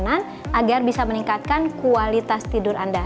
dan juga memberikan kenyamanan agar bisa meningkatkan kualitas tidur anda